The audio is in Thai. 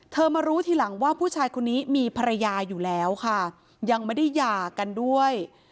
มารู้ทีหลังว่าผู้ชายคนนี้มีภรรยาอยู่แล้วค่ะยังไม่ได้หย่ากันด้วย